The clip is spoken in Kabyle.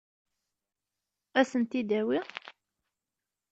Ad sen-t-id-tawi?